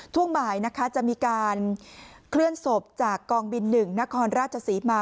ท่วงบ่ายจะมีการเคลื่อนศพจากกองบินหนึ่งนครราชสีมา